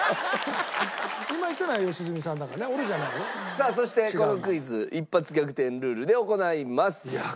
さあそしてこのクイズ一発逆転ルールで行います。